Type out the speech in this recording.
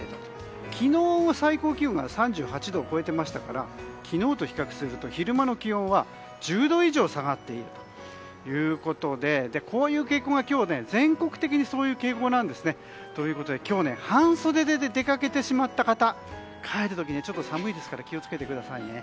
昨日、最高気温が３０．８度を超えていましたから昨日と比較すると昼間の気温は１０度以上下がっているということで今日は全国的にそういう傾向なんです。ということで今日、半袖で出かけてしまった方帰る時は寒いですから気を付けてくださいね。